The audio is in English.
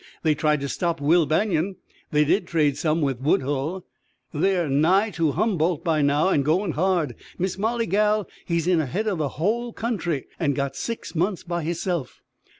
They tried to stop Will Banion they did trade some with Woodhull. They're nigh to Humboldt by now an' goin' hard. Miss Molly, gal, he's in ahead o' the hull country, an' got six months by hisself!